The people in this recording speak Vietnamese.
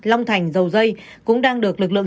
long thành dầu dây cũng đang được lực lượng